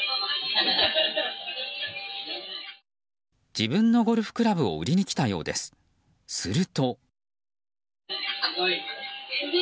自分のゴルフクラブを売りに来たようです、すると。